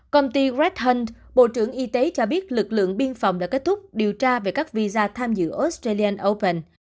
công ty red hunt bộ trưởng y tế cho biết lực lượng biên phòng đã kết thúc điều tra về các visa tham dự australian open